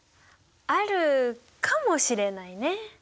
あるかもしれないね。